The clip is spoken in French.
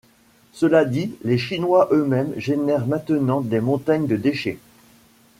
Cela dit, les Chinois eux-mêmes génèrent maintenant des montagnes de déchets.